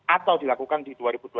atau dilakukan di dua ribu dua puluh